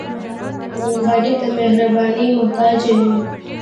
غریب د مهربانۍ محتاج وي